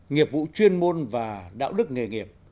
nghiệp vụ chuyên môn và đạo đức nghề nghiệp